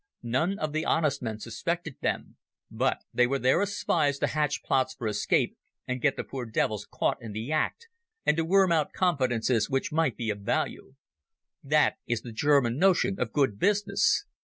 None of the honest men suspected them, but they were there as spies to hatch plots for escape and get the poor devils caught in the act, and to worm out confidences which might be of value. That is the German notion of good business.